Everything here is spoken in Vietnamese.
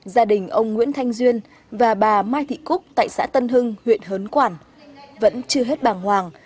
gia đình ông nguyễn thanh duyên và bà mai thị cúc tại xã tân hưng huyện hớn quản vẫn chưa hết bàng hoàng